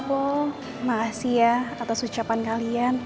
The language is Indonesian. terima kasih ya atas ucapan kalian